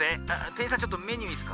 てんいんさんちょっとメニューみせて。